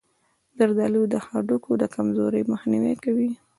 زردآلو د هډوکو د کمزورۍ مخنیوی کوي.